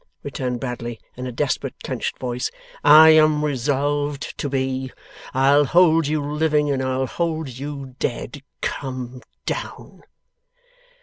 returned Bradley, in a desperate, clenched voice. 'I am resolved to be. I'll hold you living, and I'll hold you dead. Come down!